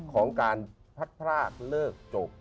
ของการพัดพรากเลิกจบ